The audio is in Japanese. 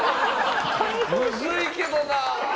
むずいけどなあ！